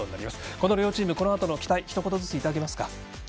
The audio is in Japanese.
この両チーム、このあとの期待ひと言ずついただけますか。